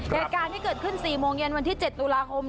เหตุการณ์ที่เกิดขึ้น๔โมงเย็นวันที่๗ตุลาคม